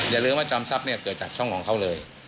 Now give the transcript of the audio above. อย่าลืมว่าจอมทรัพย์เนี่ยเกิดจากช่องของเขาเลย